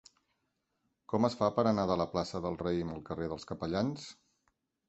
Com es fa per anar de la plaça del Raïm al carrer dels Capellans?